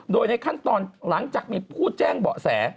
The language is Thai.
โดยในขั้นตอนหลังจากมีผู้แจ้งเบาะแส